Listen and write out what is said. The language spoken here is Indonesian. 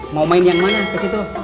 mau main yang mana ps itu